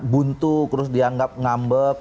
buntu terus dianggap ngambek